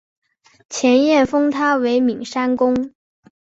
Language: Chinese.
前燕封他为岷山公。